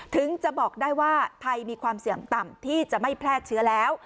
ถึงจะบอกได้ว่าไทยมีความเสี่ยงต่ำที่จะไม่แพร่เชื้อแล้ว